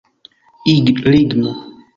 ligno